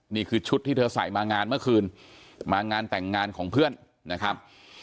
นี่คือชุดที่เธอใส่มางานเมื่อคืนมางานแต่งงานของเพื่อนนะครับ